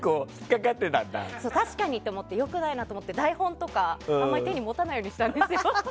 確かに良くないと思って台本とか、あんまり手に持たないようにしたんですよ。